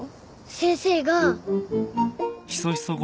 先生が。